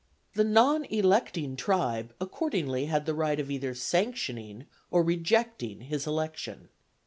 The non electing tribe accordingly had the right of either sanctioning or rejecting his election.